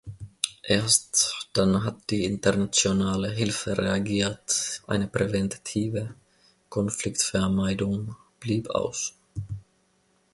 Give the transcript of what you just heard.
Erst dann hat die internationale Hilfe reagiert, eine präventive Konfliktvermeidung blieb aus.